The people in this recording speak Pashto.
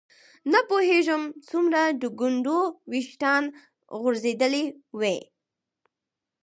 نه پوهېږم څومره د ګونډو ویښتان غورځېدلي وي.